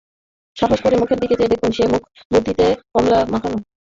সাহস করে মুখের দিকে চেয়ে দেখলুম, সে মুখ বুদ্ধিতে কোমলতা মাখানো।